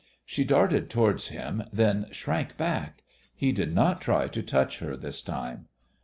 She darted towards him, then shrank back. He did not try to touch her this time.